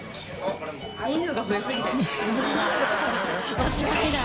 間違いない。